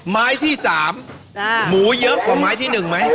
ไม้ที่๓หมูเยอะกว่าไม้ที่๑ไหม